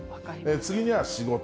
次には仕事。